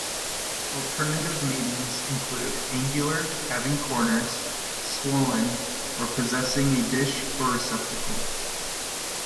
Alternative meanings include "angular, having corners", "swollen", or "possessing a dish or receptacle".